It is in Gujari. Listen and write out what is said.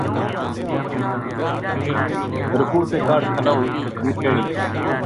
رکوع تے کاہڈ کھلا ہون کی تکبیر کہنی۔